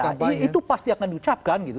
iya iya itu pasti akan diucapkan gitu